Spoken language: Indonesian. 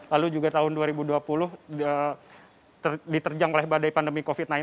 lalu juga tahun dua ribu dua puluh diterjang oleh badai pandemi covid sembilan belas